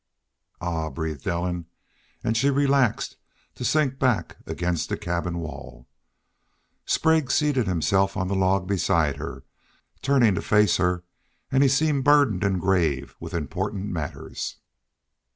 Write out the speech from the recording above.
"Ah!" breathed Ellen, and she relaxed to sink back against the cabin wall. Sprague seated himself on the log beside her, turning to face her, and he seemed burdened with grave and important matters.